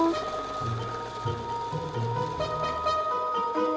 ya udah masuk